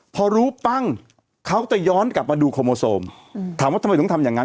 พอรู้ปั้งเขาจะย้อนกลับมาดูโคโมโซมถามว่าทำไมต้องทำอย่างนั้น